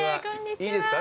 いいですか？